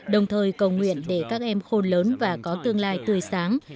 đồng thời cầu nguyện để các em khôn lớn và có tương lai tươi sáng